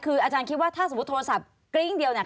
คืออาจารย์คิดว่าถ้าสมมุติโทรศัพท์กริ้งเดียวเนี่ย